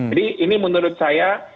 jadi ini menurut saya